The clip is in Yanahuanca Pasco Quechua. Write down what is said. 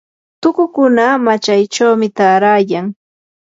tukukuna machaychaw taarayan.